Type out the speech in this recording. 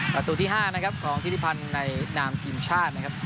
ประตูที่๕ของทิศิพรรณในนามทีมชาตินะครับ